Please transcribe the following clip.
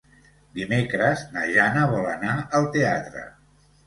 Dimecres na Jana vol anar al teatre.